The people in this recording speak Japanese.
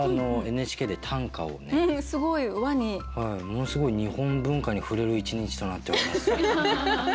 ものすごい日本文化に触れる一日となっております。